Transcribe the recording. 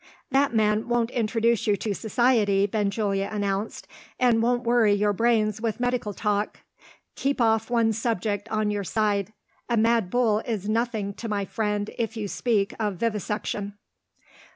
"That man won't introduce you to society," Benjulia announced, "and won't worry your brains with medical talk. Keep off one subject on your side. A mad bull is nothing to my friend if you speak of Vivisection."